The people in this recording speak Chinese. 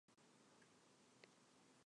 在场上的位置是中场。